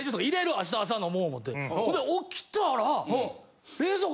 明日朝飲もう思てほんで起きたら。